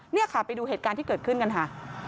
นี่ค่ะไปดูเหตุการณ์ที่เกิดขึ้นกันค่ะ